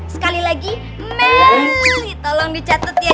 sekali lagi meli tolong dicatat ya